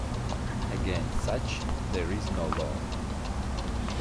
Against such there is no law.